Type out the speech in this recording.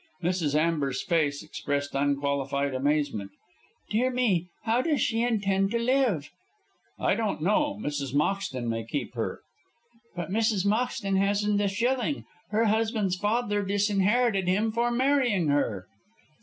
Mrs. Amber's face expressed unqualified amazement. "Dear me, how does she intend to live?" "I don't know. Mrs. Moxton may keep her." "But Mrs. Moxton hasn't a shilling. Her husband's father disinherited him for marrying her."